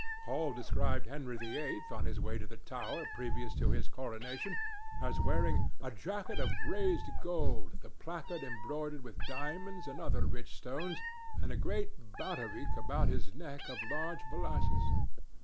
Hall described Henry VIII., on his way to the Tower previous to his coronation, as wearing "a jacket of raised gold, the placard embroidered with diamonds and other rich stones, and a great bauderike about his neck of large balasses."